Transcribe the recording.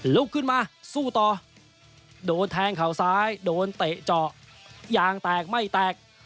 ลุกขึ้นมาสู้ต่อโดนแทงเข่าซ้ายโดนเตะเจาะยางแตกไม่แตก